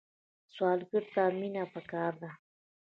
سوالګر ته مینه پکار ده